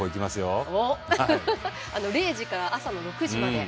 ０時から朝の６時まで。